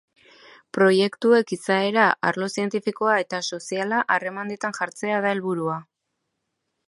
Proiektuek izaera arlo zientifikoa eta soziala harremanetan jartzea da helburua.